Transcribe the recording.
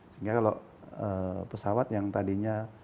sehingga kalau pesawat yang tadinya